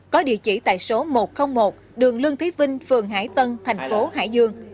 có địa chỉ tại số một trăm linh một đường lương thế vinh phường hải tân thành phố hải dương